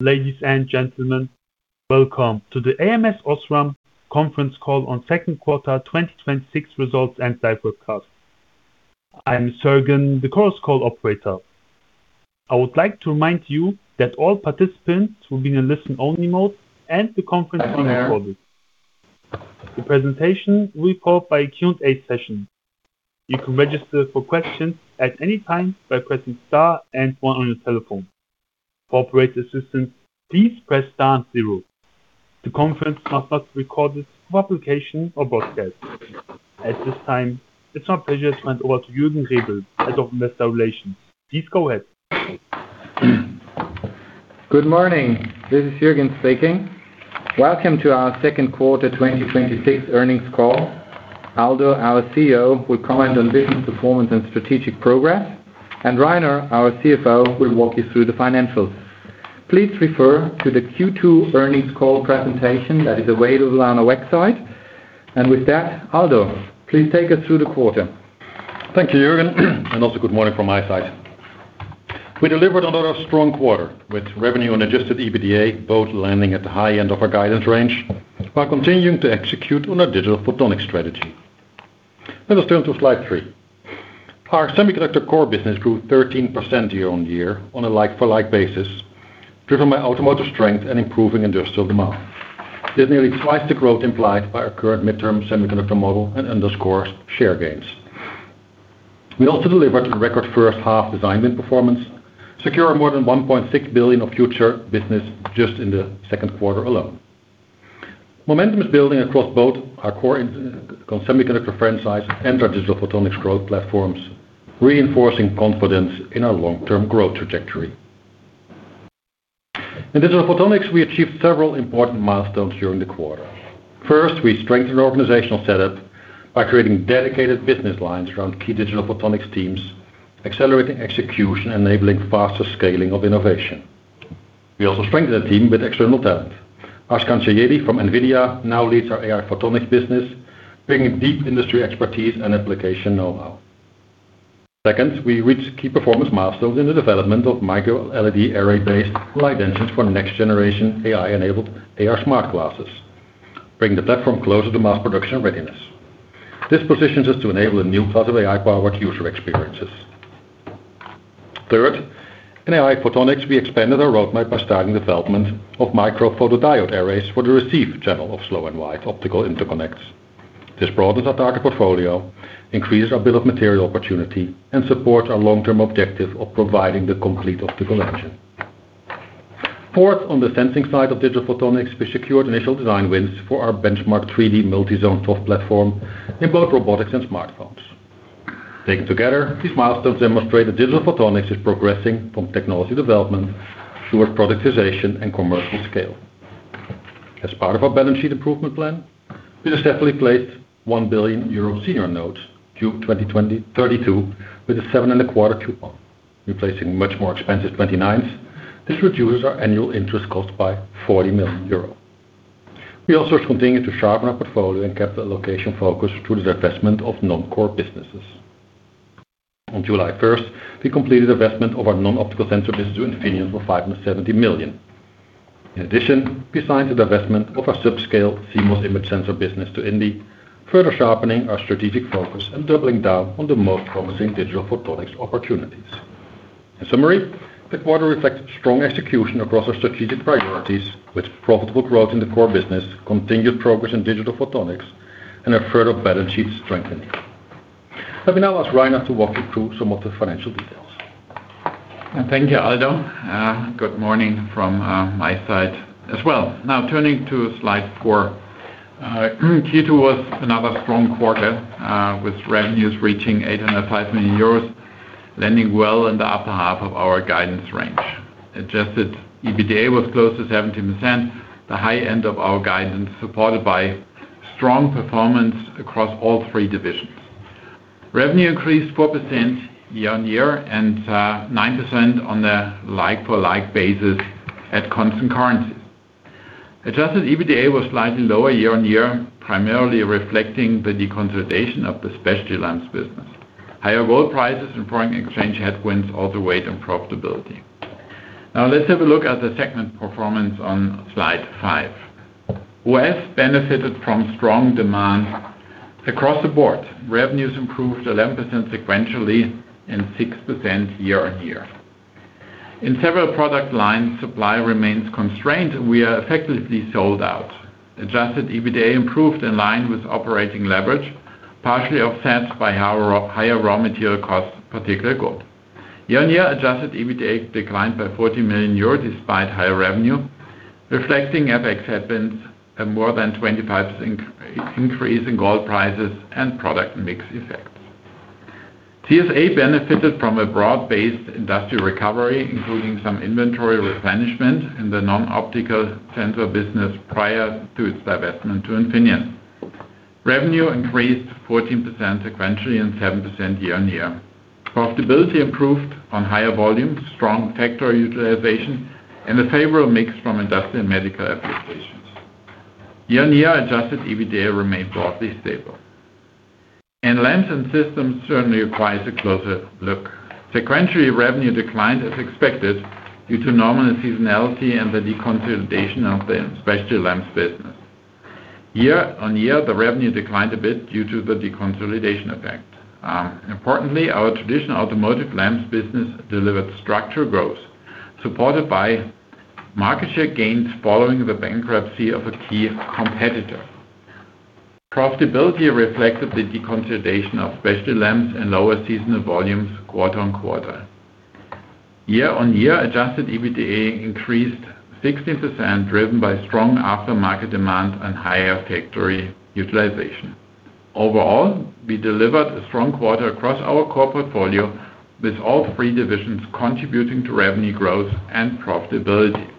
Ladies and gentlemen, welcome to the ams Osram conference call on second quarter 2026 results and live webcast. I am Sergen, the conference call operator. I would like to remind you that all participants will be in a listen-only mode, and the conference is being recorded. The presentation will be followed by a Q&A session. You can register for questions at any time by pressing star and one on your telephone. For operator assistance, please press star and zero. The conference must not be recorded for publication or broadcast. At this time, it is my pleasure to hand over to Juergen Rebel, Head of Investor Relations. Please go ahead. Good morning. This is Juergen speaking. Welcome to our second quarter 2026 earnings call. Aldo, our CEO, will comment on business performance and strategic progress, and Rainer, our CFO, will walk you through the financials. Please refer to the Q2 earnings call presentation that is available on our website. With that, Aldo, please take us through the quarter. Thank you, Juergen, and also good morning from my side. We delivered another strong quarter, with revenue and adjusted EBITDA both landing at the high end of our guidance range, while continuing to execute on our digital photonics strategy. Let us turn to slide three. Our semiconductor core business grew 13% year-on-year on a like-for-like basis, driven by automotive strength and improving industrial demand. It is nearly twice the growth implied by our current midterm semiconductor model and underscores share gains. We also delivered a record first half design win performance, secure more than 1.6 billion of future business just in the second quarter alone. Momentum is building across both our core semiconductor franchise and our digital photonics growth platforms, reinforcing confidence in our long-term growth trajectory. In digital photonics, we achieved several important milestones during the quarter. First, we strengthened our organizational setup by creating dedicated business lines around key digital photonics teams, accelerating execution, enabling faster scaling of innovation. We also strengthened the team with external talent. Ashkan Shayegi from Nvidia now leads our AI photonics business, bringing deep industry expertise and application know-how. Second, we reached key performance milestones in the development of MicroLED array-based light engines for next generation AI-enabled AR smart glasses, bringing the platform closer to mass production readiness. This positions us to enable a new class of AI-powered user experiences. Third, in AI photonics, we expanded our roadmap by starting development of micro photodiode arrays for the receive channel of slow and wide optical interconnects. This broadens our target portfolio, increases our bill of material opportunity, and supports our long-term objective of providing the complete optical engine. Fourth, on the sensing side of digital photonics, we secured initial design wins for our benchmark 3D multi-zone ToF platform in both robotics and smartphones. Taken together, these milestones demonstrate that digital photonics is progressing from technology development towards productization and commercial scale. As part of our balance sheet improvement plan, we have successfully placed 1 billion euro senior notes due 2032 with a seven-and-a-quarter coupon, replacing much more expensive 2029s. This reduces our annual interest cost by 40 million euro. We also continued to sharpen our portfolio and capital allocation focus through the divestment of non-core businesses. On July 1st, we completed divestment of our non-optical sensor business to Infineon for 570 million. In addition, we signed the divestment of our subscale CMOS image sensor business to indie, further sharpening our strategic focus and doubling down on the most promising digital photonics opportunities. In summary, the quarter reflects strong execution across our strategic priorities with profitable growth in the core business, continued progress in digital photonics, and a further balance sheet strengthening. Let me now ask Rainer to walk you through some of the financial details. Thank you, Aldo. Good morning from my side as well. Now turning to slide four. Q2 was another strong quarter, with revenues reaching 805 million euros, landing well in the upper half of our guidance range. Adjusted EBITDA was close to 17%, the high end of our guidance, supported by strong performance across all three divisions. Revenue increased 4% year-on-year and 9% on a like-for-like basis at constant currencies. Adjusted EBITDA was slightly lower year-on-year, primarily reflecting the deconsolidation of the specialty lamps business. Higher raw prices and foreign exchange headwinds also weighed on profitability. Now let's have a look at the segment performance on slide five. OS benefited from strong demand across the board. Revenues improved 11% sequentially and 6% year-on-year. In several product lines, supply remains constrained, and we are effectively sold out. Adjusted EBITDA improved in line with operating leverage, partially offset by higher raw material costs, particularly gold. Year-on-year adjusted EBITDA declined by 40 million euro despite higher revenue, reflecting FX headwinds, a more than 25% increase in gold prices, and product mix effects. CSA benefited from a broad-based industrial recovery, including some inventory replenishment in the non-optical sensor business prior to its divestment to Infineon. Revenue increased 14% sequentially and 7% year-on-year. Profitability improved on higher volumes, strong factory utilization, and the favorable mix from industrial and medical applications. Year-on-year adjusted EBITDA remained broadly stable. Lamps and systems certainly requires a closer look. Sequentially, revenue declined as expected due to normal seasonality and the deconsolidation of the specialty lamps business. Year-on-year, the revenue declined a bit due to the deconsolidation effect. Importantly, our traditional automotive lamps business delivered structural growth, supported by market share gains following the bankruptcy of a key competitor. Profitability reflected the deconsolidation of specialty lamps and lower seasonal volumes quarter-over-quarter. Year-over-year adjusted EBITDA increased 16%, driven by strong aftermarket demand and higher factory utilization. Overall, we delivered a strong quarter across our core portfolio with all three divisions contributing to revenue growth and profitability.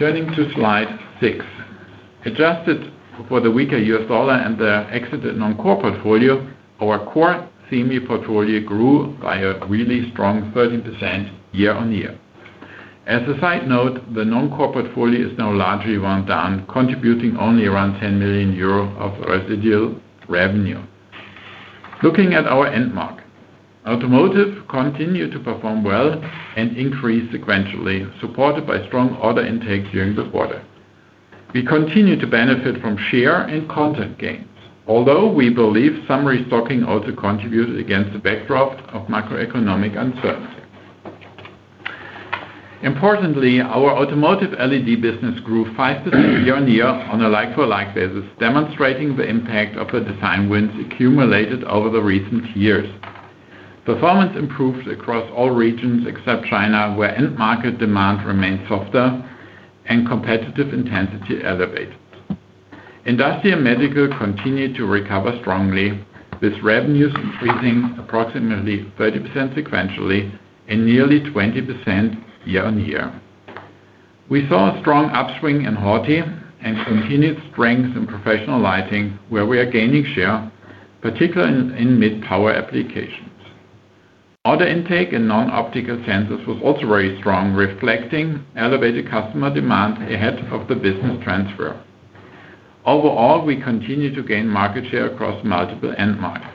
Turning to slide six. Adjusted for the weaker U.S. dollar and the exited non-core portfolio, our core semis portfolio grew by a really strong 13% year-over-year. As a side note, the non-core portfolio is now largely wound down, contributing only around 10 million euro of residual revenue. Looking at our end market. Automotive continued to perform well and increased sequentially, supported by strong order intake during the quarter. We continue to benefit from share and content gains, although we believe some restocking also contributed against the backdrop of macroeconomic uncertainty. Importantly, our automotive LED business grew 5% year-over-year on a like-for-like basis, demonstrating the impact of the design wins accumulated over the recent years. Performance improved across all regions except China, where end market demand remained softer and competitive intensity elevated. Industrial medical continued to recover strongly, with revenues increasing approximately 30% sequentially and nearly 20% year-over-year. We saw a strong upswing in HORTI and continued strength in Professional Lighting, where we are gaining share, particularly in mid-power applications. Order intake in non-optical sensors was also very strong, reflecting elevated customer demand ahead of the business transfer. Overall, we continue to gain market share across multiple end markets.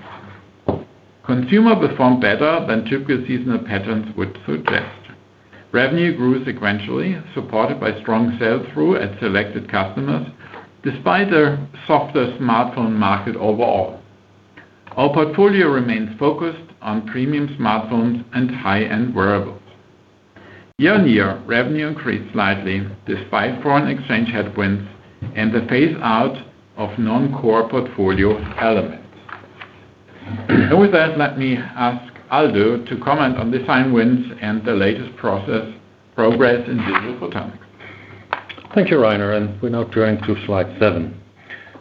Consumer performed better than typical seasonal patterns would suggest. Revenue grew sequentially, supported by strong sell-through at selected customers, despite a softer smartphone market overall. Our portfolio remains focused on premium smartphones and high-end wearables. Year-over-year, revenue increased slightly despite foreign exchange headwinds and the phase-out of non-core portfolio elements. With that, let me ask Aldo to comment on design wins and the latest progress in digital photonics. Thank you, Rainer, we now turn to slide seven.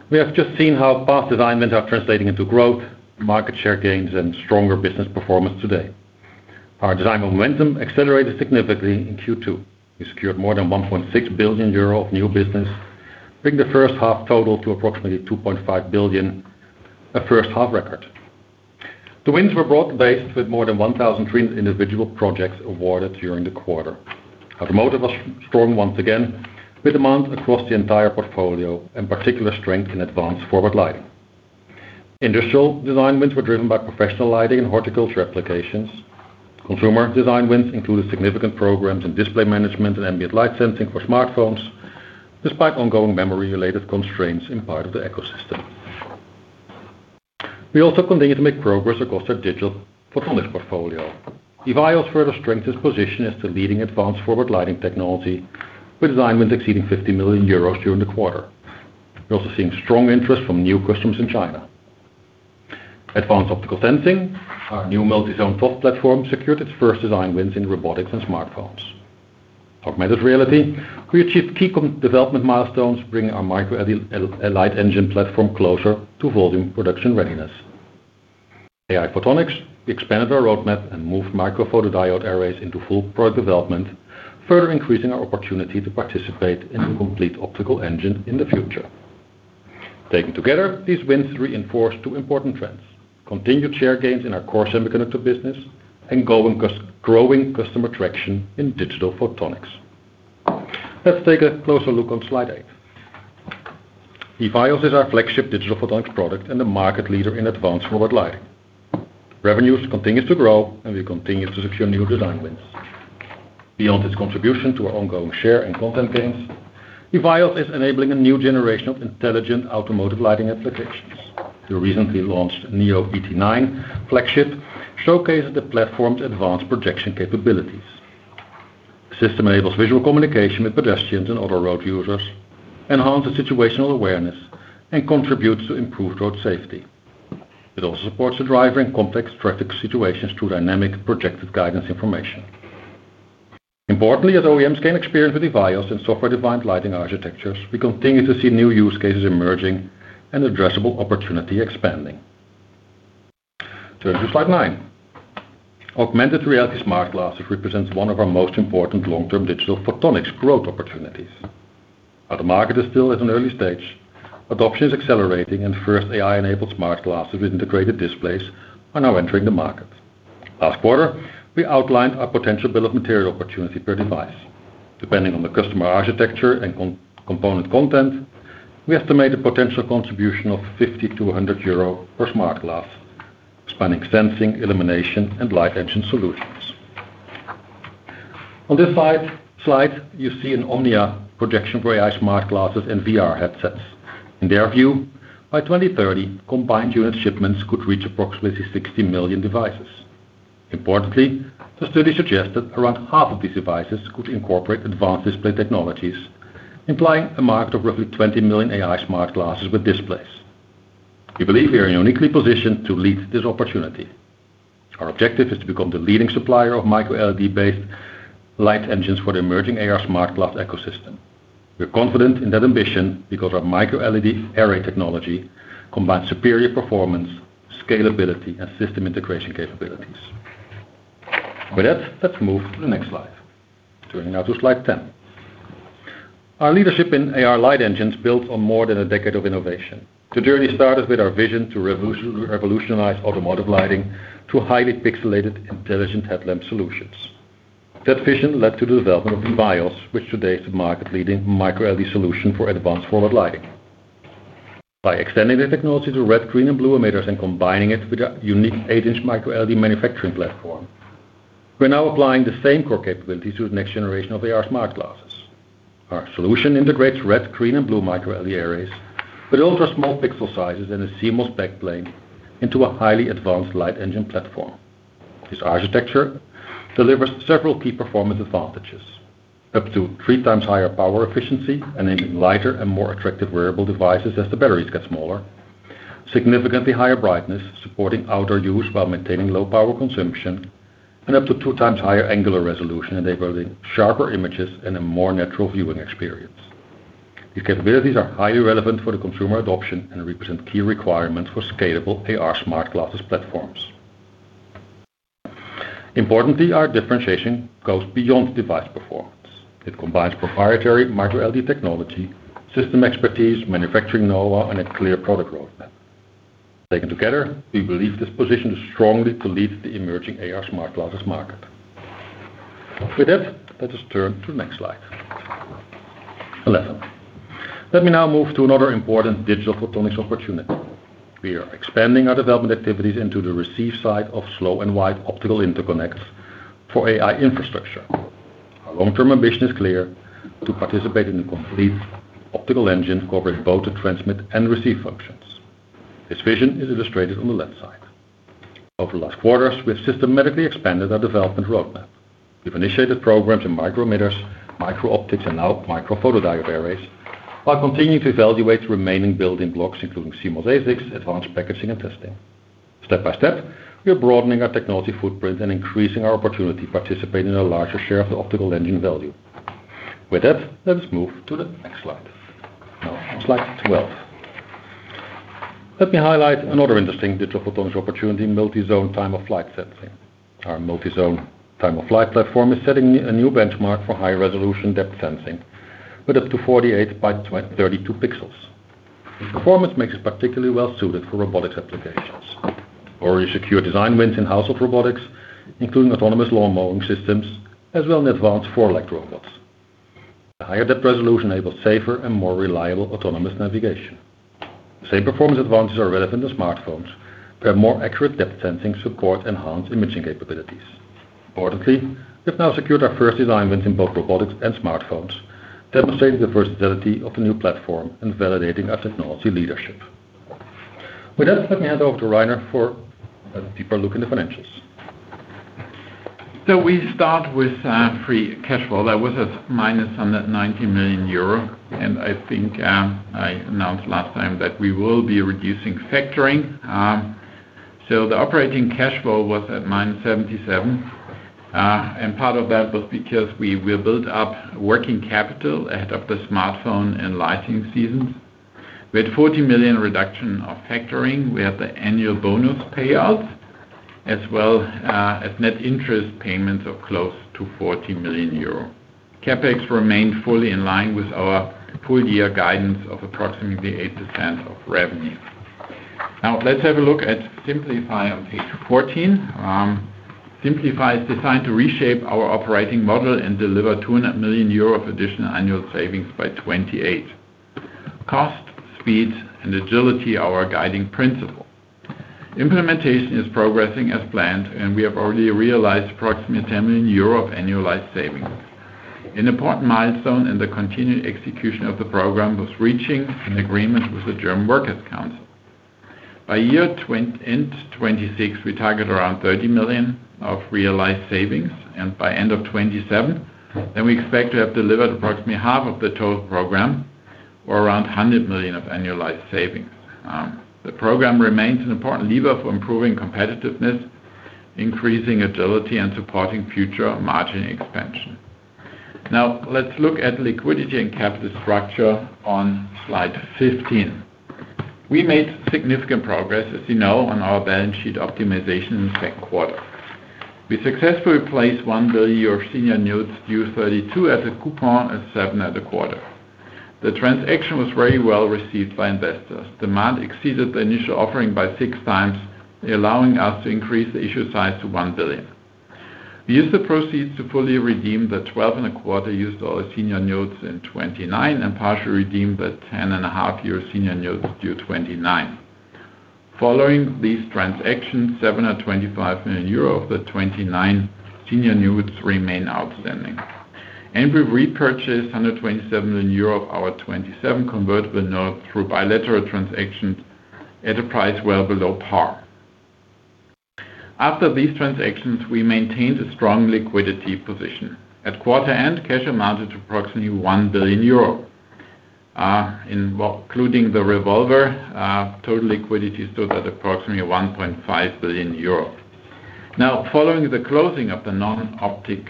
We have just seen how fast design wins are translating into growth, market share gains, and stronger business performance today. Our design momentum accelerated significantly in Q2. We secured more than 1.6 billion euro of new business, bringing the first half total to approximately 2.5 billion, a first-half record. The wins were broad-based, with more than 1,000 trained individual projects awarded during the quarter. Automotive was strong once again, with demand across the entire portfolio and particular strength in advanced forward lighting. Industrial design wins were driven by Professional Lighting and horticulture applications. Consumer design wins included significant programs in display management and ambient light sensing for smartphones, despite ongoing memory-related constraints in part of the ecosystem. We also continue to make progress across our digital photonics portfolio. EVIYOS further strengthened its position as the leading advanced forward lighting technology, with design wins exceeding 50 million euros during the quarter. We are also seeing strong interest from new customers in China. Advanced optical sensing. Our new multi-zone ToF platform secured its first design wins in robotics and smartphones. Augmented reality. We achieved key development milestones, bringing our micro light engine platform closer to volume production readiness. AI photonics. We expanded our roadmap and moved micro photodiode arrays into full product development, further increasing our opportunity to participate in the complete optical engine in the future. Taken together, these wins reinforce two important trends. Continued share gains in our core semiconductor business and growing customer traction in digital photonics. Let's take a closer look on slide eight. EVIYOS is our flagship digital photonics product and the market leader in advanced forward lighting. Revenues continue to grow. We continue to secure new design wins. Beyond its contribution to our ongoing share and content gains, EVIYOS is enabling a new generation of intelligent automotive lighting applications. The recently launched NIO ET9 flagship showcases the platform's advanced projection capabilities. The system enables visual communication with pedestrians and other road users, enhances situational awareness, and contributes to improved road safety. It also supports the driver in complex traffic situations through dynamic projected guidance information. Importantly, as OEMs gain experience with EVIYOS and software-defined lighting architectures, we continue to see new use cases emerging and addressable opportunity expanding. Turn to slide nine. Augmented reality smart glasses represents one of our most important long-term digital photonics growth opportunities. The market is still at an early stage. Adoption is accelerating. First AI-enabled smart glasses with integrated displays are now entering the market. Last quarter, we outlined our potential bill of material opportunity per device. Depending on the customer architecture and component content, we estimate a potential contribution of 50 euro to 100 euro per smart glass, spanning sensing, illumination, and light engine solutions. On this slide, you see an Omdia projection for AI smart glasses and VR headsets. In their view, by 2030, combined unit shipments could reach approximately 60 million devices. Importantly, the study suggests that around half of these devices could incorporate advanced display technologies, implying a market of roughly 20 million AI smart glasses with displays. We believe we are uniquely positioned to lead this opportunity. Our objective is to become the leading supplier of MicroLED-based light engines for the emerging AR smart glass ecosystem. We are confident in that ambition because our MicroLED array technology combines superior performance, scalability, and system integration capabilities. With that, let's move to the next slide. Turning now to slide 10. Our leadership in AR light engines builds on more than a decade of innovation. The journey started with our vision to revolutionize automotive lighting to highly pixelated, intelligent headlamp solutions. That vision led to the development of EVIYOS, which today is the market-leading MicroLED solution for advanced forward lighting. By extending the technology to red, green, and blue emitters and combining it with a unique eight-inch MicroLED manufacturing platform, we are now applying the same core capabilities to the next generation of AR smart glasses. Our solution integrates red, green, and blue MicroLED arrays with ultra-small pixel sizes and a seamless back plane into a highly advanced light engine platform. This architecture delivers several key performance advantages, up to 3x higher power efficiency, enabling lighter and more attractive wearable devices as the batteries get smaller. Significantly higher brightness, supporting outdoor use while maintaining low power consumption, and up to 2x higher angular resolution, enabling sharper images and a more natural viewing experience. These capabilities are highly relevant for the consumer adoption and represent key requirements for scalable AR smart glasses platforms. Importantly, our differentiation goes beyond device performance. It combines proprietary MicroLED technology, system expertise, manufacturing know-how, and a clear product roadmap. Taken together, we believe this positions us strongly to lead the emerging AR smart glasses market. With that, let us turn to the next slide 11. Let me now move to another important digital photonics opportunity. We are expanding our development activities into the receive side of slow and wide optical interconnects for AI infrastructure. Our long-term ambition is clear: to participate in a complete optical engine covering both the transmit and receive functions. This vision is illustrated on the left side. Over the last quarters, we have systematically expanded our development roadmap. We have initiated programs in micro emitters, micro optics, and now micro photodiode arrays, while continuing to evaluate the remaining building blocks, including CMOS ASICs, advanced packaging, and testing. Step by step, we are broadening our technology footprint and increasing our opportunity to participate in a larger share of the optical engine value. With that, let us move to the next slide. On slide 12, let me highlight another interesting digital photonics opportunity in multi-zone ToF sensing. Our multi-zone ToF platform is setting a new benchmark for high-resolution depth sensing with up to 48 by 32 pixels. This performance makes it particularly well-suited for robotics applications. We have already secured design wins in household robotics, including autonomous lawn mowing systems, as well as advanced four-legged robots. The higher depth resolution enables safer and more reliable autonomous navigation. The same performance advantages are relevant to smartphones, where more accurate depth-sensing support enhance imaging capabilities. Importantly, we have now secured our first design wins in both robotics and smartphones, demonstrating the versatility of the new platform and validating our technology leadership. With that, let me hand over to Rainer for a deeper look in the financials. We start with free cash flow. That was at minus 19 million euro. I think I announced last time that we will be reducing factoring. The operating cash flow was at minus 77 million. Part of that was because we built up working capital ahead of the smartphone and lighting seasons. We had 40 million reduction of factoring. We have the annual bonus payouts, as well as net interest payments of close to 40 million euro. CapEx remained fully in line with our full-year guidance of approximately 8% of revenue. Let's have a look at Simplify on page 14. Simplify is designed to reshape our operating model and deliver 200 million euro of additional annual savings by 2028. Cost, speed, and agility are our guiding principle. Implementation is progressing as planned, we have already realized approximately 10 million euro of annualized savings. An important milestone in the continued execution of the program was reaching an agreement with the German Workers' Council. By year-end 2026, we target around 30 million of realized savings. By end of 2027, we expect to have delivered approximately half of the total program or around 100 million of annualized savings. The program remains an important lever for improving competitiveness, increasing agility, and supporting future margin expansion. Let's look at liquidity and capital structure on slide 15. We made significant progress, as you know, on our balance sheet optimization in the second quarter. We successfully replaced 1 billion of senior notes due 2032 as a coupon and seven at a quarter. The transaction was very well received by investors. Demand exceeded the initial offering by 6x, allowing us to increase the issue size to 1 billion. We used the proceeds to fully redeem the 12.25% U.S. dollar senior notes in 2029 and partially redeem the 10.5-year senior notes due 2029. Following these transactions, 725 million euro of the 2029 senior notes remain outstanding. We repurchased 127 million euro of our 2027 convertible notes through bilateral transactions at a price well below par. After these transactions, we maintained a strong liquidity position. At quarter end, cash amounted to approximately 1 billion euro. Including the revolver, total liquidity stood at approximately 1.5 billion euro. Following the closing of the non-optic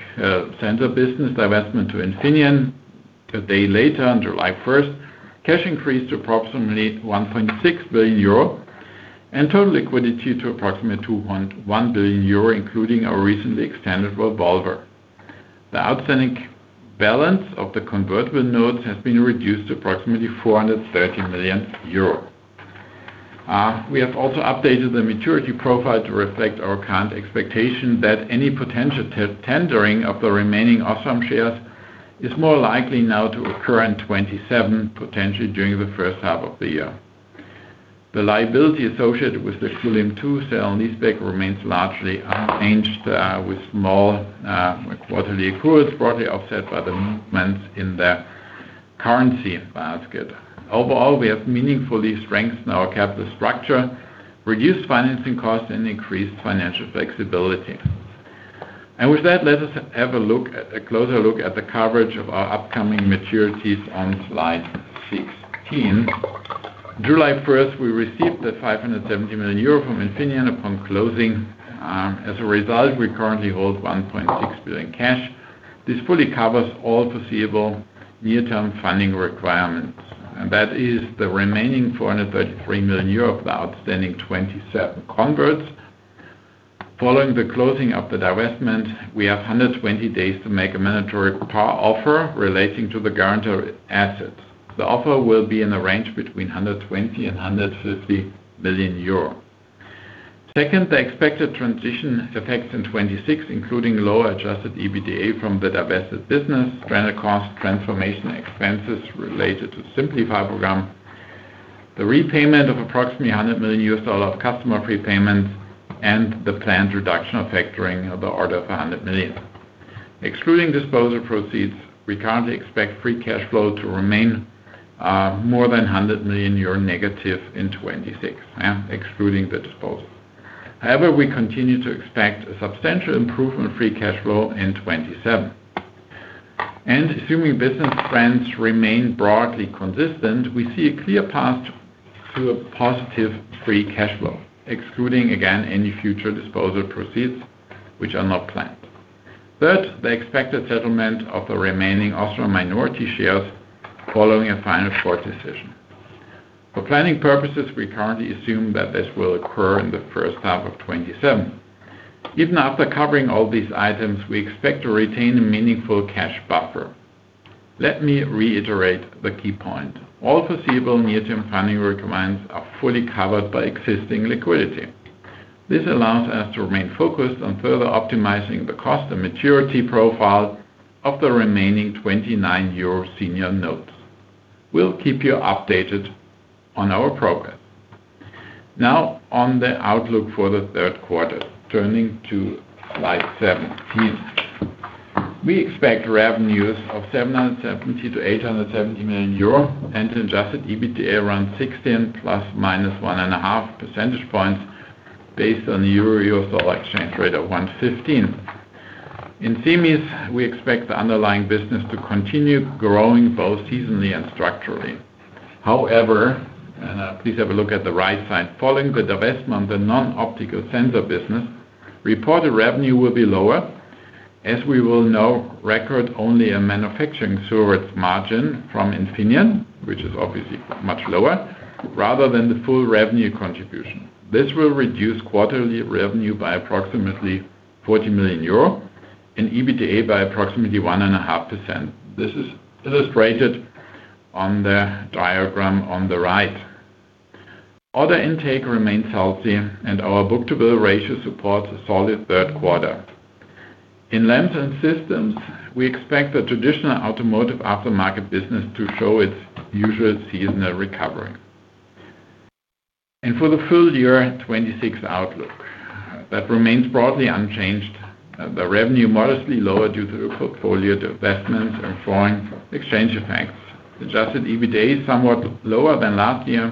sensor business divestment to Infineon a day later, on July 1st, cash increased to approximately 1.6 billion euro and total liquidity to approximately 2.1 billion euro, including our recently extended revolver. The outstanding balance of the convertible notes has been reduced to approximately 430 million euros. We have also updated the maturity profile to reflect our current expectation that any potential tendering of the remaining Osram shares is more likely now to occur in 2027, potentially during the first half of the year. The liability associated with the Kulim-2 sale and leaseback remains largely unchanged with small quarterly accruals broadly offset by the movements in the currency basket. Overall, we have meaningfully strengthened our capital structure, reduced financing costs, and increased financial flexibility. With that, let us have a closer look at the coverage of our upcoming maturities on slide 16. July 1st, we received 570 million euro from Infineon upon closing. As a result, we currently hold 1.6 billion cash. This fully covers all foreseeable near-term funding requirements, and that is the remaining 433 million euro of the outstanding 2027 converts. Following the closing of the divestment, we have 120 days to make a mandatory put offer relating to the guarantor assets. The offer will be in the range between 120 million and 150 million euro. Second, the expected transition effects in 2026, including lower adjusted EBITDA from the divested business, stranded cost transformation expenses related to the Simplify program, the repayment of approximately EUR 100 million of customer prepayments, and the planned reduction of factoring of the order of 100 million. Excluding disposal proceeds, we currently expect free cash flow to remain more than -300 million euro in 2026, excluding the disposal. However, we continue to expect a substantial improvement in free cash flow in 2027. Assuming business trends remain broadly consistent, we see a clear path to a positive free cash flow, excluding, again, any future disposal proceeds which are not planned. Third, the expected settlement of the remaining Osram minority shares following a final court decision. For planning purposes, we currently assume that this will occur in the first half of 2027. Even after covering all these items, we expect to retain a meaningful cash buffer. Let me reiterate the key point. All foreseeable near-term funding requirements are fully covered by existing liquidity. This allows us to remain focused on further optimizing the cost and maturity profile of the remaining 2029 senior notes. We will keep you updated on our progress. On the outlook for the third quarter. Turning to slide 17. We expect revenues of 770 million-870 million euro and an adjusted EBITDA around 16 ±1.5 percentage points based on Euro-U.S. dollar exchange rate of 115. In semis, we expect the underlying business to continue growing both seasonally and structurally. Please have a look at the right side. Following the divestment of the non-optical sensor business, reported revenue will be lower as we will now record only a manufacturing source margin from Infineon, which is obviously much lower, rather than the full revenue contribution. This will reduce quarterly revenue by approximately 40 million euro and EBITDA by approximately 1.5%. This is illustrated on the diagram on the right. Order intake remains healthy, and our book-to-bill ratio supports a solid third quarter. In lamps and systems, we expect the traditional automotive aftermarket business to show its usual seasonal recovery. For the full year 2026 outlook, that remains broadly unchanged. The revenue modestly lower due to the portfolio divestments and foreign exchange effects. Adjusted EBITDA is somewhat lower than last year,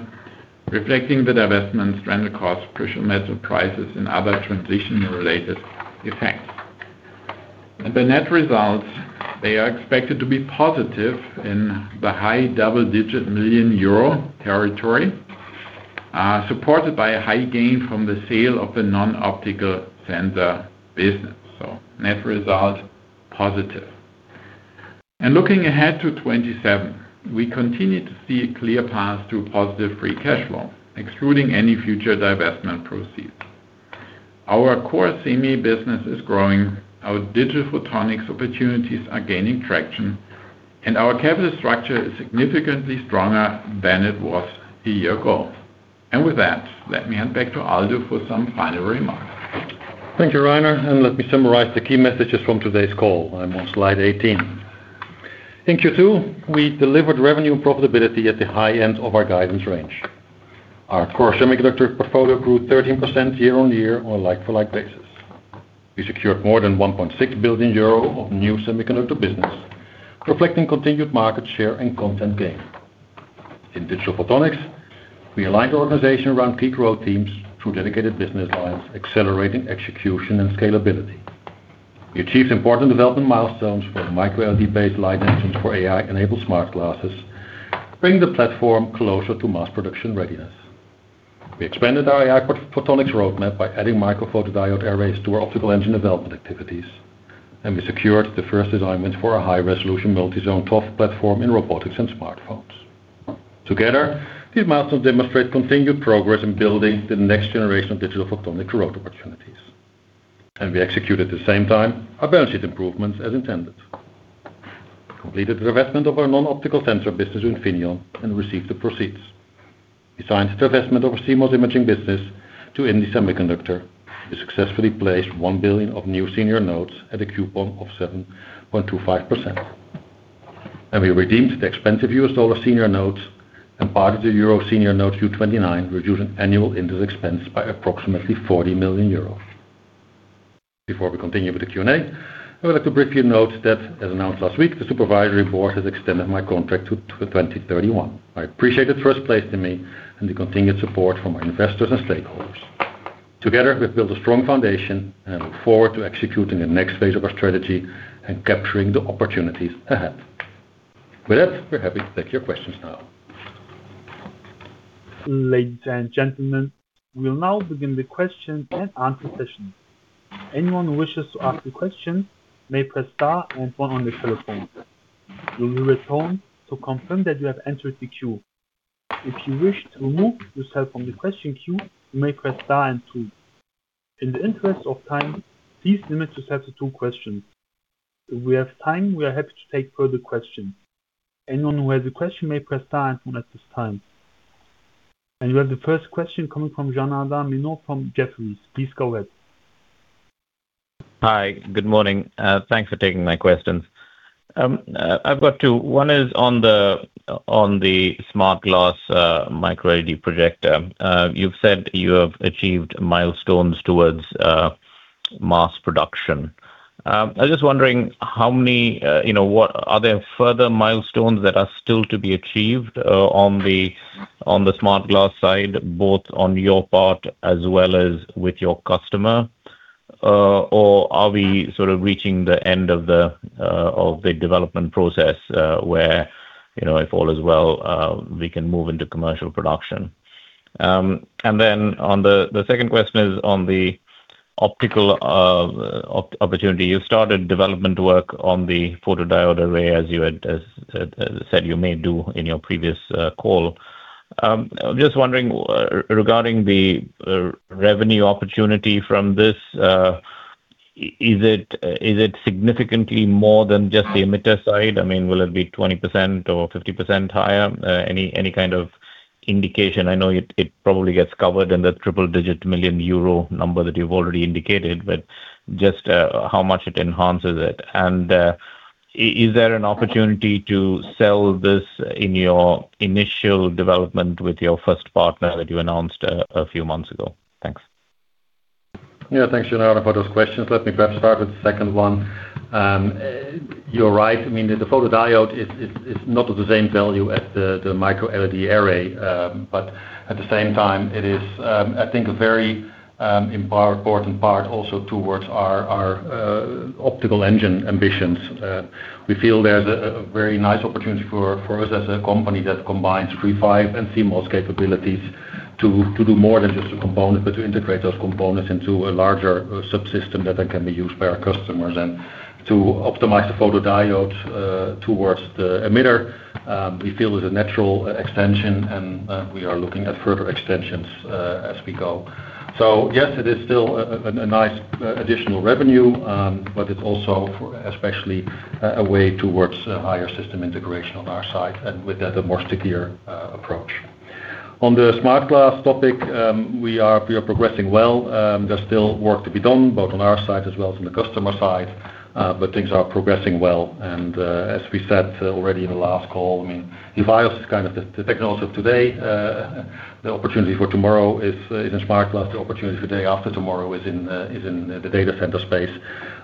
reflecting the divestments, stranded cost, precious metal prices, and other transition-related effects. The net results, they are expected to be positive in the high double-digit million euro territory, supported by a high gain from the sale of the non-optical sensor business. Net result, positive. Looking ahead to 2027, we continue to see a clear path to positive free cash flow, excluding any future divestment proceeds. Our core semis business is growing, our digital photonics opportunities are gaining traction, and our capital structure is significantly stronger than it was a year ago. With that, let me hand back to Aldo for some final remarks. Thank you, Rainer. Let me summarize the key messages from today's call. I am on slide 18. In Q2, we delivered revenue and profitability at the high end of our guidance range. Our core semiconductor portfolio grew 13% year-over-year on a like-for-like basis. We secured more than 1.6 billion euro of new semiconductor business, reflecting continued market share and content gain. In digital photonics, we aligned the organization around key growth teams through dedicated business lines, accelerating execution and scalability. We achieved important development milestones for the MicroLED-based light engines for AI-enabled smart glasses, bringing the platform closer to mass production readiness. We expanded our AI photonics roadmap by adding micro photodiode arrays to our optical engine development activities. We secured the first design wins for our high-resolution multi-zone ToF platform in robotics and smartphones. Together, these milestones demonstrate continued progress in building the next generation of digital photonic growth opportunities. We executed at the same time our balance sheet improvements as intended. We completed the divestment of our non-optical sensor business, Infineon, and received the proceeds. We signed the divestment of our CMOS imaging business to indie Semiconductor. We successfully placed 1 billion of new senior notes at a coupon of 7.25%. We redeemed the expensive U.S. dollar senior notes and part of the euro senior notes due 2029, reducing annual interest expense by approximately 40 million euros. Before we continue with the Q&A, I would like to briefly note that as announced last week, the supervisory board has extended my contract to 2031. I appreciate the trust placed in me and the continued support from our investors and stakeholders. Together, we've built a strong foundation, and I look forward to executing the next phase of our strategy and capturing the opportunities ahead. With that, we're happy to take your questions now. Ladies and gentlemen, we will now begin the question-and-answer session. Anyone who wishes to ask a question may press star one on their telephone. You will hear a tone to confirm that you have entered the queue. If you wish to remove yourself from the question queue, you may press star and two. In the interest of time, please limit yourself to two questions. If we have time, we are happy to take further questions. Anyone who has a question may press star one at this time. We have the first question coming from Janardan Menon from Jefferies. Please go ahead. Hi. Good morning. Thanks for taking my questions. I've got two. One is on the smart glass MicroLED project. You've said you have achieved milestones towards mass production. I'm just wondering, are there further milestones that are still to be achieved on the smart glass side, both on your part as well as with your customer? Are we sort of reaching the end of the development process, where, if all is well, we can move into commercial production? The second question is on the optical opportunity. You've started development work on the photodiode array, as you had said you may do in your previous call. I'm just wondering, regarding the revenue opportunity from this, is it significantly more than just the emitter side? Will it be 20% or 50% higher? Any kind of indication? I know it probably gets covered in the triple-digit million euro number that you've already indicated, but just how much it enhances it. Is there an opportunity to sell this in your initial development with your first partner that you announced a few months ago? Thanks. Yeah. Thanks, Janardan, for those questions. Let me perhaps start with the second one. You're right. The photodiode is not of the same value as the MicroLED array. At the same time, it is, I think, a very important part also towards our optical engine ambitions. We feel there's a very nice opportunity for us as a company that combines III-V and CMOS capabilities to do more than just a component, but to integrate those components into a larger subsystem that then can be used by our customers. To optimize the photodiodes towards the emitter, we feel is a natural extension, and we are looking at further extensions as we go. Yes, it is still a nice additional revenue, but it's also especially a way towards higher system integration on our side, and with that, a more stickier approach. On the smart glass topic, we are progressing well. There's still work to be done, both on our side as well as on the customer side, but things are progressing well. As we said already in the last call, EVIYOS is kind of the technology of today. The opportunity for tomorrow is in smart glass. The opportunity for the day after tomorrow is in the data center space.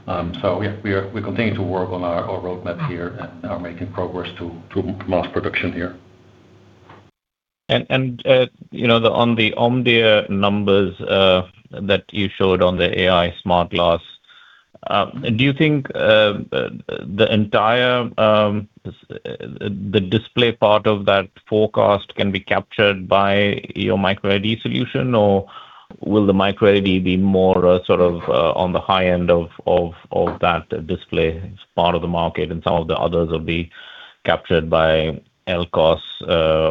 Yeah, we continue to work on our roadmap here and are making progress to mass production here. On the Omdia numbers that you showed on the AI smart glass, do you think the display part of that forecast can be captured by your MicroLED solution? Or will the MicroLED be more sort of on the high end of that display part of the market, and some of the others will be captured by LCOS,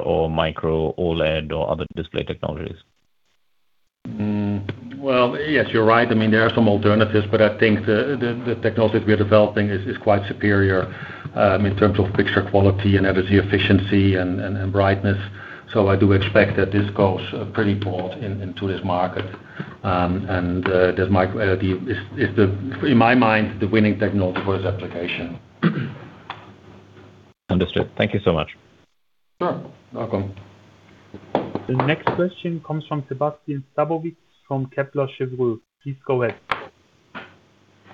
or Micro OLED, or other display technologies. Well, yes, you're right. There are some alternatives, I think the technology we are developing is quite superior in terms of picture quality, energy efficiency, and brightness. I do expect that this goes pretty broad into this market. This MicroLED is, in my mind, the winning technology for this application. Understood. Thank you so much. Sure. Welcome. The next question comes from Sébastien Sztabowicz from Kepler Cheuvreux. Please go ahead.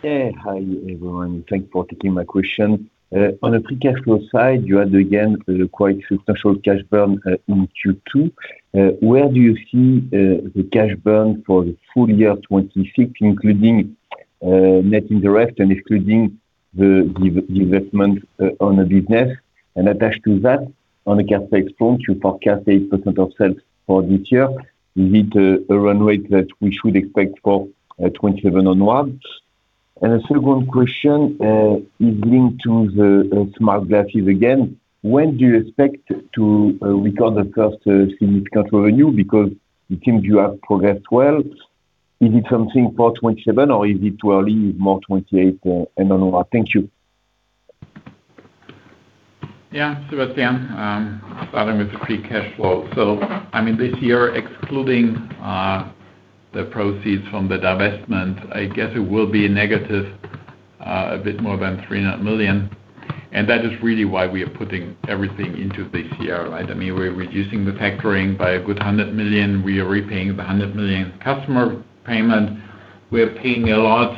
Yeah. Hi, everyone. Thanks for taking my question. On the free cash flow side, you had, again, a quite substantial cash burn in Q2. Where do you see the cash burn for the full year 2026, including net interest and excluding the divestment on the business? Attached to that, on the CapEx front, you forecast 8% of sales for this year. Is it a run rate that we should expect for 2027 onwards? A second question is linked to the smart glasses again. When do you expect to record the first significant revenue? Because it seems you have progressed well. Is it something for 2027, or is it early, more 2028 and onward? Thank you. Yeah, Sébastien. Starting with the free cash flow. This year, excluding the proceeds from the divestment, I guess it will be negative, a bit more than 300 million. That is really why we are putting everything into this year. We're reducing the factoring by a good 100 million. We are repaying the 100 million customer payment. We are paying a lot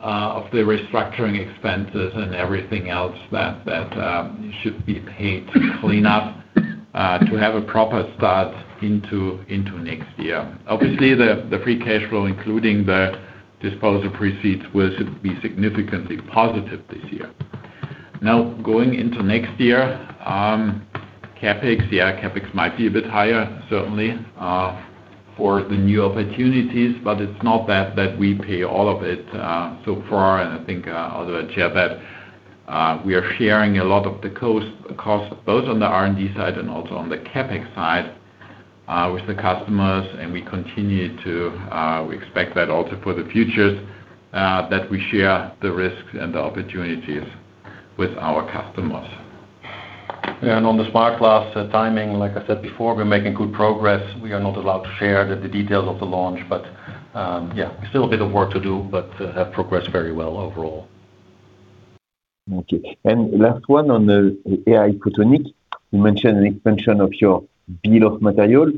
of the restructuring expenses and everything else that should be paid to clean up, to have a proper start into next year. Obviously, the free cash flow, including the disposal proceeds, will be significantly positive this year. Going into next year, CapEx. Yeah, CapEx might be a bit higher, certainly, for the new opportunities. It's not that we pay all of it so far. I think although at Chiplet, we are sharing a lot of the cost, both on the R&D side and also on the CapEx side, with the customers, and we expect that also for the futures, that we share the risks and the opportunities with our customers. On the smart glass timing, like I said before, we're making good progress. We are not allowed to share the details of the launch, but yeah, still a bit of work to do, but have progressed very well overall. Okay. Last one on the AI photonic. You mentioned an expansion of your bill of material.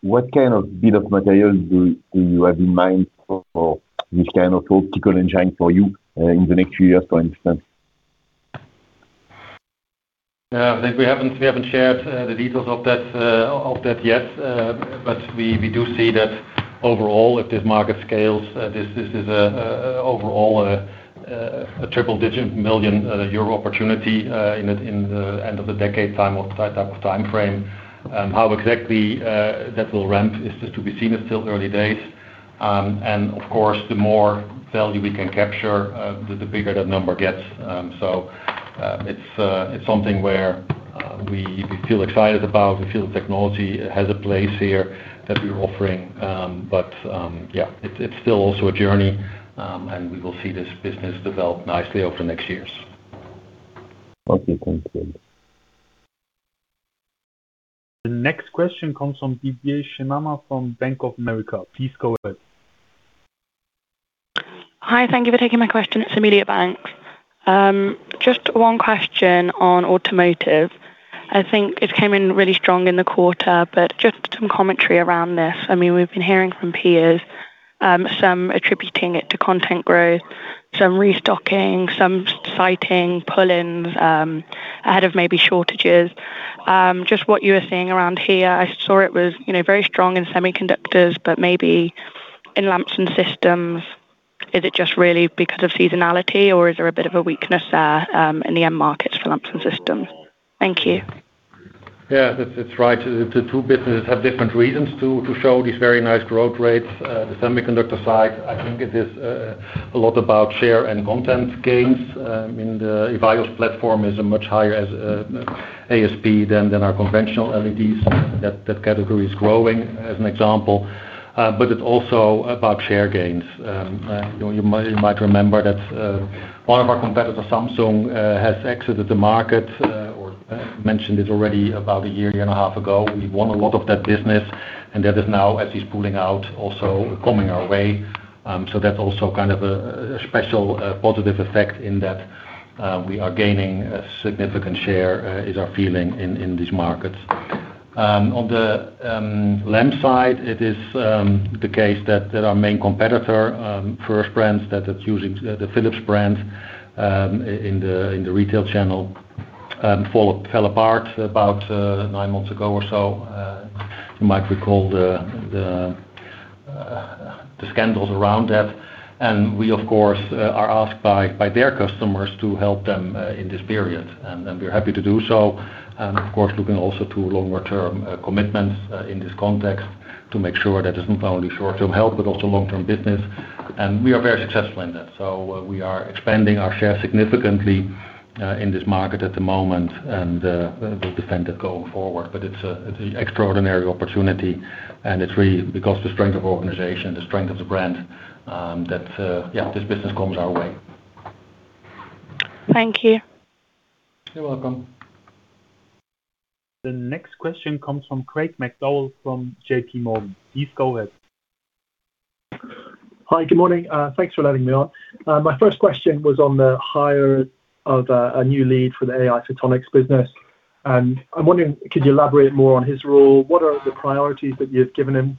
What kind of bill of material do you have in mind for this kind of optical engine for you in the next few years, for instance? Yeah. We haven't shared the details of that yet. We do see that overall, if this market scales, this is overall a triple-digit million euro opportunity in the end of the decade type of timeframe. How exactly that will ramp is to be seen. It's still early days. And of course, the more value we can capture, the bigger that number gets. It's something where we feel excited about. We feel the technology has a place here that we're offering. But, yeah, it's still also a journey, and we will see this business develop nicely over the next years. Okay, thank you. The next question comes from Didier Scemama from Bank of America. Please go ahead. Hi, thank you for taking my question. It's Amelia Banks. Just one question on automotive. I think it came in really strong in the quarter, but just some commentary around this. We've been hearing from peers, some attributing it to content growth, some restocking, some citing pull-ins ahead of maybe shortages. Just what you are seeing around here. I saw it was very strong in semiconductors, but maybe in lamps and systems. Is it just really because of seasonality, or is there a bit of a weakness there in the end markets for lamps and systems? Thank you. Yeah. That's right. The two businesses have different reasons to show these very nice growth rates. The semiconductor side, I think it is a lot about share and content gains. The EVIYOS platform is a much higher ASP than our conventional LEDs. That category is growing, as an example. It's also about share gains. You might remember that one of our competitors, Samsung, has exited the market, or mentioned it already about a year, a year and a half ago. We won a lot of that business, and that is now, as he's pulling out, also coming our way. That's also kind of a special positive effect in that we are gaining a significant share, is our feeling, in these markets. On the lamp side, it is the case that our main competitor, First Brands, that is using the Philips brand in the retail channel, fell apart about nine months ago or so. You might recall the scandals around that. We, of course, are asked by their customers to help them in this period, and we're happy to do so. Of course, looking also to longer-term commitments in this context. To make sure that it's not only short-term help but also long-term business. We are very successful in that. We are expanding our share significantly in this market at the moment, and will defend it going forward. It's an extraordinary opportunity, and it's really because of the strength of organization, the strength of the brand, that, yeah, this business comes our way. Thank you. You're welcome. The next question comes from Craig McDowell from JPMorgan. Please go ahead. Hi. Good morning. Thanks for letting me on. My first question was on the hire of a new lead for the AI photonics business. I'm wondering, could you elaborate more on his role? What are the priorities that you've given him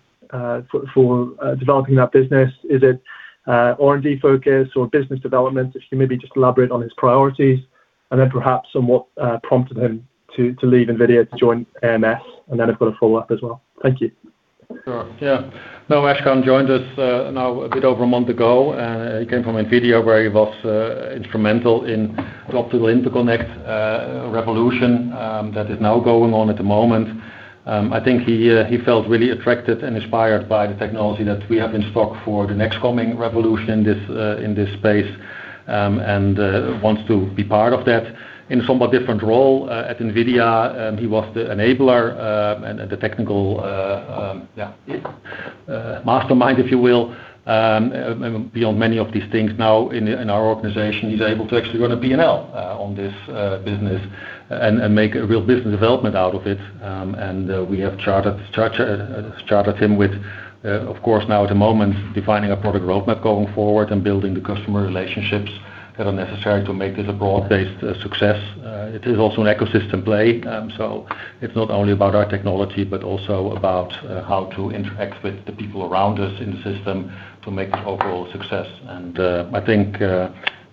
for developing that business? Is it R&D focused or business development? If you maybe just elaborate on his priorities and then perhaps on what prompted him to leave NVIDIA to join ams Osram. Then I've got a follow-up as well. Thank you. Sure. Yeah. Ashkan joined us now a bit over a month ago. He came from NVIDIA, where he was instrumental in optical interconnect revolution that is now going on at the moment. I think he felt really attracted and inspired by the technology that we have in stock for the next coming revolution in this space, and wants to be part of that. In a somewhat different role at NVIDIA, he was the enabler, and the technical, yeah, mastermind, if you will, beyond many of these things now in our organization. He's able to actually run a P&L on this business and make a real business development out of it. We have chartered him with, of course, now at the moment, defining a product roadmap going forward and building the customer relationships that are necessary to make this a broad-based success. It is also an ecosystem play. It's not only about our technology, but also about how to interact with the people around us in the system to make this overall success. I think,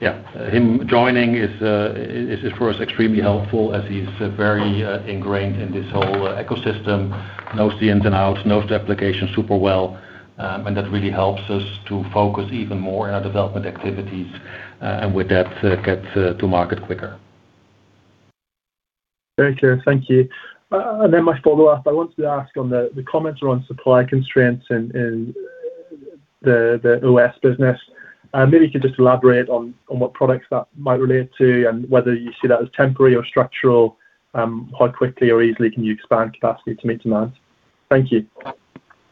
yeah, him joining is for us extremely helpful as he's very ingrained in this whole ecosystem, knows the ins and outs, knows the application super well. That really helps us to focus even more on our development activities, and with that, get to market quicker. Very clear. Thank you. My follow-up, I wanted to ask on the comments around supply constraints in the OS business. Maybe you could just elaborate on what products that might relate to and whether you see that as temporary or structural. How quickly or easily can you expand capacity to meet demand? Thank you.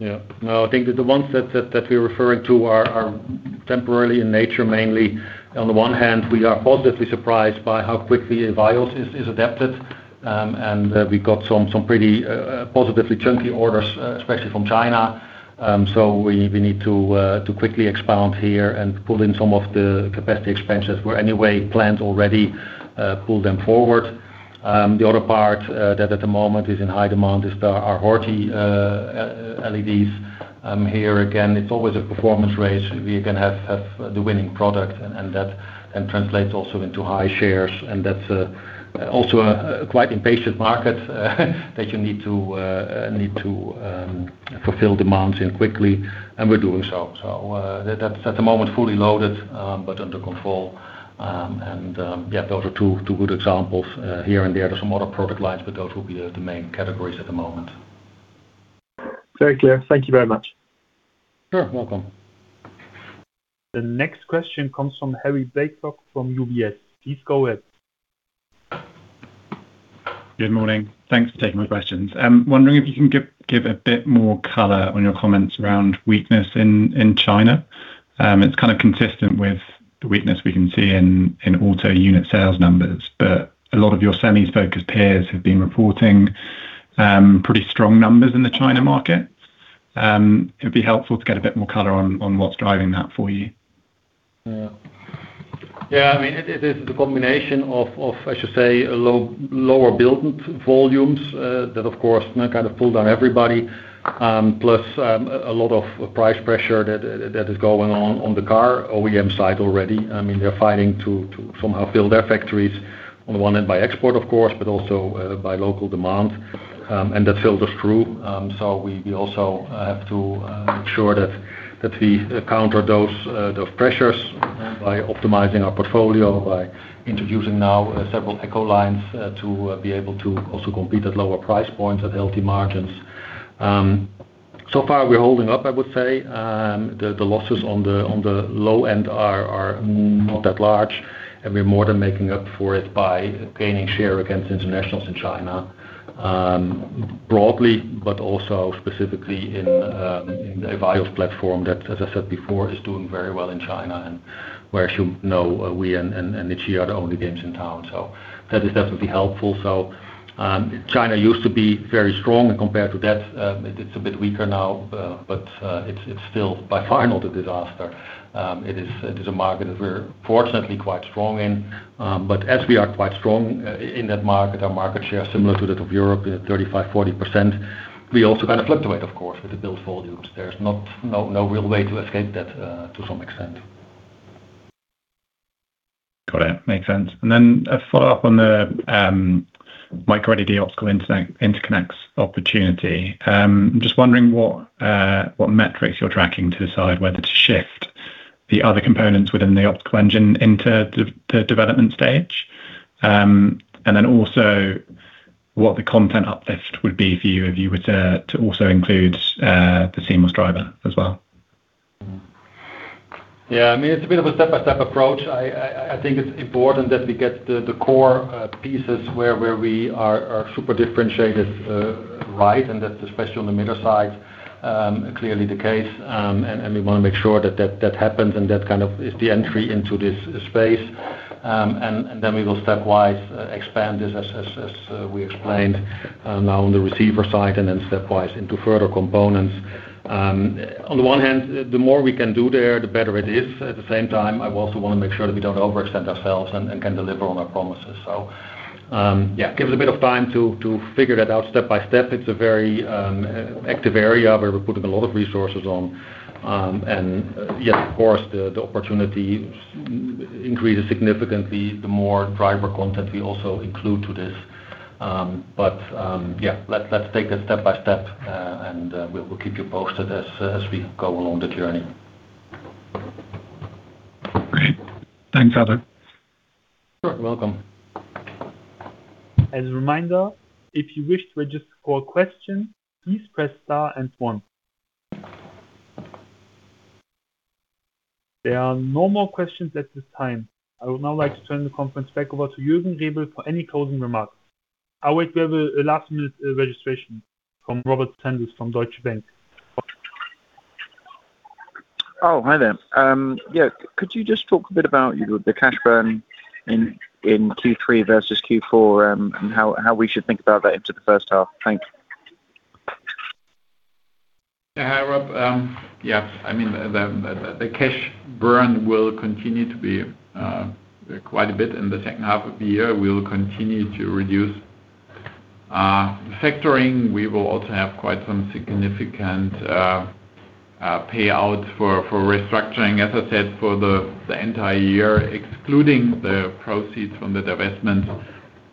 I think that the ones that we're referring to are temporarily in nature, mainly. On the one hand, we are positively surprised by how quickly the EVIYOS is adapted. We got some pretty positively chunky orders, especially from China. We need to quickly expand here and pull in some of the capacity expenses. We're anyway planned already, pull them forward. The other part that at the moment is in high demand is our HORTI LEDs. Here again, it's always a performance race. We can have the winning product, that translates also into high shares. That's also a quite impatient market that you need to fulfill demands in quickly. We're doing so. That's at the moment fully loaded, but under control. Those are two good examples, here and there. There's some other product lines, those will be the main categories at the moment. Very clear. Thank you very much. Sure. Welcome. The next question comes from Harry Blaiklock from UBS. Please go ahead. Good morning. Thanks for taking my questions. I'm wondering if you can give a bit more color on your comments around weakness in China. It's kind of consistent with the weakness we can see in auto unit sales numbers. A lot of your semis-focused peers have been reporting pretty strong numbers in the China market. It'd be helpful to get a bit more color on what's driving that for you. Yeah, it is the combination of, I should say, lower built volumes, that of course, kind of pulled down everybody. Plus, a lot of price pressure that is going on on the car OEM side already. They're fighting to somehow fill their factories on the one end by export, of course, but also by local demand. That filters through. We also have to make sure that we counter those pressures by optimizing our portfolio, by introducing now several eco lines to be able to also compete at lower price points at healthy margins. So far we're holding up, I would say. The losses on the low end are not that large, and we're more than making up for it by gaining share against internationals in China, broadly, but also specifically in the EVIYOS platform that, as I said before, is doing very well in China and where I should know we and Nichia are the only games in town. That is definitely helpful. China used to be very strong, and compared to that, it's a bit weaker now, but it's still by far not a disaster. It is a market that we're fortunately quite strong in. As we are quite strong in that market, our market share similar to that of Europe, 35%-40%. We also kind of fluctuate, of course, with the build volumes. There's no real way to escape that, to some extent. Got it. Makes sense. Then a follow-up on the MicroLED optical interconnects opportunity. Just wondering what metrics you're tracking to decide whether to shift the other components within the optical engine into the development stage. Then also what the content uplift would be for you if you were to also include the seamless driver as well. It's a bit of a step-by-step approach. I think it's important that we get the core pieces where we are super differentiated right, and that's especially on the mirror side, clearly the case. We want to make sure that happens and that is the entry into this space. Then we will stepwise expand this as we explained now on the receiver side and then stepwise into further components. On the one hand, the more we can do there, the better it is. At the same time, I also want to make sure that we don't overextend ourselves and can deliver on our promises. Give it a bit of time to figure that out step by step. It's a very active area where we're putting a lot of resources on. Of course, the opportunity increases significantly the more driver content we also include to this. Let's take that step by step, and we'll keep you posted as we go along the journey. Great. Thanks, Aldo. You're welcome. As a reminder, if you wish to register for a question, please press star and one. There are no more questions at this time. I would now like to turn the conference back over to Juergen Rebel for any closing remarks. Oh wait, we have a last-minute registration from Robert Sanders from Deutsche Bank. Oh, hi there. Yeah, could you just talk a bit about the cash burn in Q3 versus Q4, and how we should think about that into the first half? Thank you. Yeah, Rob. Yeah. The cash burn will continue to be quite a bit in the second half of the year. We will continue to reduce. Factoring, we will also have quite some significant payouts for restructuring. As I said, for the entire year, excluding the proceeds from the divestment,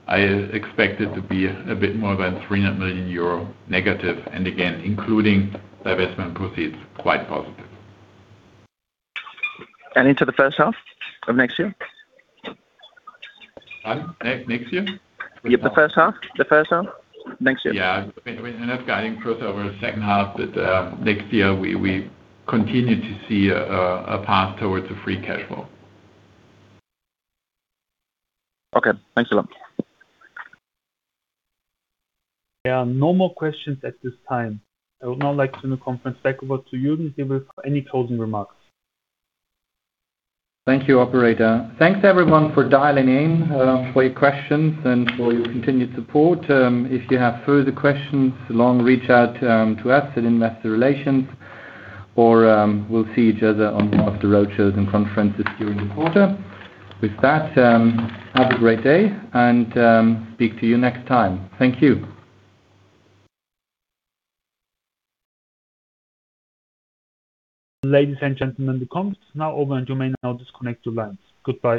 I expect it to be a bit more than -300 million euro. Again, including divestment proceeds, quite positive. Into the first half of next year? Next year? Yeah, the first half. The first half next year. Yeah. We're not guiding further over the second half, but next year we continue to see a path towards a free cash flow. Okay. Thanks a lot. There are no more questions at this time. I would now like to turn the conference back over to Juergen Rebel for any closing remarks. Thank you, operator. Thanks everyone for dialing in, for your questions and for your continued support. If you have further questions along, reach out to us in investor relations or we'll see each other on one of the roadshows and conferences during the quarter. With that, have a great day and speak to you next time. Thank you. Ladies and gentlemen, the conference is now over and you may now disconnect your lines. Goodbye.